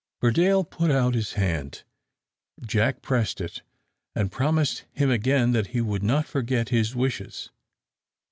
Burdale put out his hand. Jack pressed it, and promised him again that he would not forget his wishes.